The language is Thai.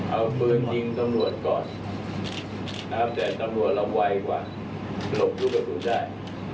เอาปืนยิงตำรวจก่อนนะครับแต่ตำรวจเราไวกว่าหลบรูปประตูได้